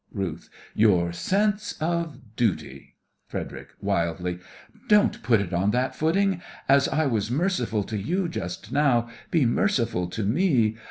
RUTH: Your sense of duty! FREDERIC: (wildly) Don't put it on that footing! As I was merciful to you just now, be merciful to me!